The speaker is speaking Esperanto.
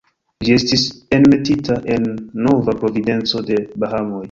Ĝi estis enmetita en Nova Providenco de Bahamoj.